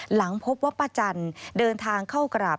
หลังพบว่าป้าจันเดินทางเข้ากราบ